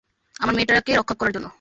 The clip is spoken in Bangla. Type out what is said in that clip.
আমার মেয়েটাকে রক্ষা করার জন্য।